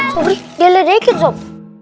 sobri dia lelekin sob